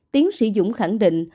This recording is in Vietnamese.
tiến sĩ dũng khẳng định